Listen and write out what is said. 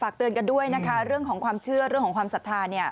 เตือนกันด้วยนะคะเรื่องของความเชื่อเรื่องของความศรัทธาเนี่ย